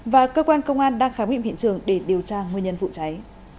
và cơ quan công an đang khám nghiệm hiện trường để điều tra nguyên nhân vụ cháy